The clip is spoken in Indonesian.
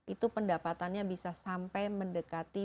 itu pendapatannya bisa sampai mendekati